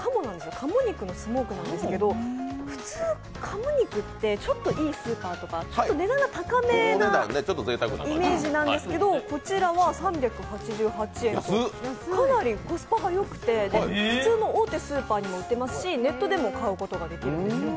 鴨肉のスモークなんですけど普通、鴨肉ってちょっといいスーパーとか値段が高めなイメージなんですけどこちらは３８８円と、かなりコスパがよくて普通の大手スーパーにも売ってますし、ネットでも買うことができるんです。